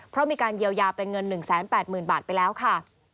เพราะมีการเยียวยาเป็นเงิน๑๘๐๐๐บาทไปแล้วค่ะ